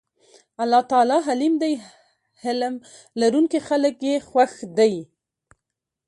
الله تعالی حليم دی حِلم لرونکي خلک ئي خوښ دي